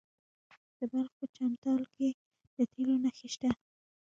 د بلخ په چمتال کې د تیلو نښې شته.